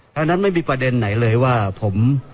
ดังนั้นไม่มีประเด็นไหนเลยว่าผม